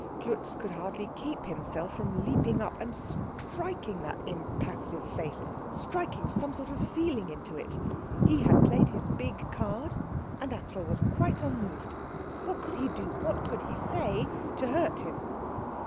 Klutz could hardly keep himself from leaping up and striking that impassive face, striking some sort of feeling into it. He had played his big card, and Axel was quite unmoved. What could he do, what could he say, to hurt him?